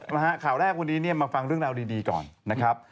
นะฮะข่าวแรกวันนี้เนี่ยมาฟังเรื่องราวดีก่อนนะครับ